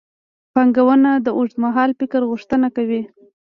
پانګونه د اوږدمهال فکر غوښتنه کوي.